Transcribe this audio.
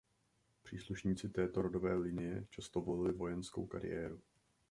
Příslušníci této rodové linie často volili vojenskou kariéru.